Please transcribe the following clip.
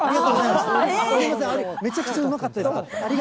すみません、めちゃくちゃうまかったです。